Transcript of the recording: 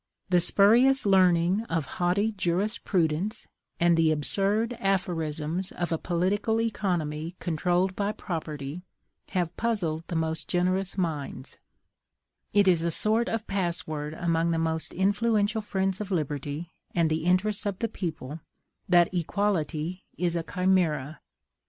The spurious learning of haughty jurisprudence, and the absurd aphorisms of a political economy controlled by property have puzzled the most generous minds; it is a sort of password among the most influential friends of liberty and the interests of the people that EQUALITY IS A CHIMERA!